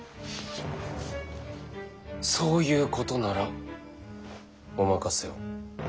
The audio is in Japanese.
そういうことならお任せを。